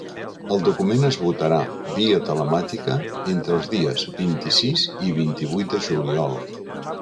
El document es votarà, via telemàtica, entre els dies vint-i-sis i vint-i-vuit de juliol.